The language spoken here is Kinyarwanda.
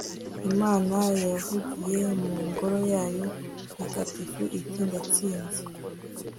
imana yavugiye mu ngoro yayo ntagatifu iti ndatsinze